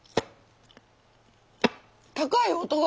高い音が。